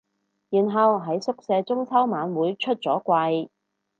然後喺宿舍中秋晚會出咗櫃